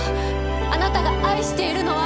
あなたが愛しているのは。